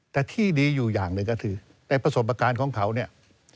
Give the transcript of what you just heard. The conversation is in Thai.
แต่ที่ดีอยู่อย่างหนึ่งก็คือไอ้ประสบการณ์ของเขาเนี่ย